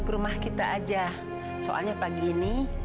ke rumah kita aja soalnya pagi ini